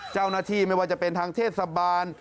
เจ้าหน้าที่ไม่ว่าจะเป็นทางเทศบาล